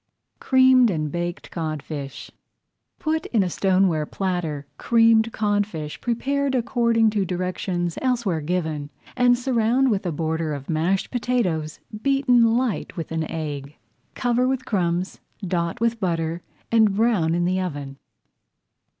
CREAMED AND BAKED CODFISH Put into a stoneware platter creamed codfish prepared according to directions elsewhere given, and surround with a border of mashed potatoes beaten light with an egg. Cover with crumbs, dot with butter, and brown in the oven.